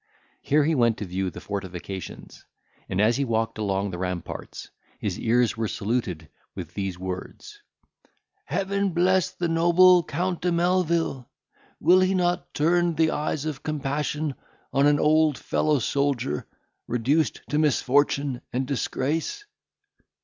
Here he went to view the fortifications; and as he walked along the ramparts, his ears were saluted with these words: "Heaven bless the noble Count de Melvil! will not he turn the eyes of compassion on an old fellow soldier reduced to misfortune and disgrace?"